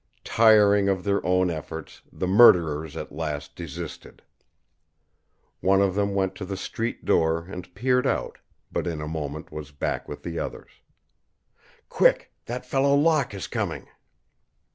Tiring of their own efforts, the murderers at last desisted. One of them went to the street door and peered out, but in a moment was back with the others. "Quick that fellow Locke is coming."